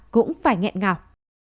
cũng phải nghẹn ngào